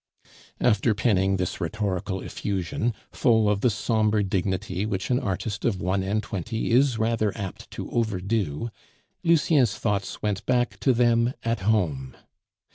After penning this rhetorical effusion, full of the sombre dignity which an artist of one and twenty is rather apt to overdo, Lucien's thoughts went back to them at home.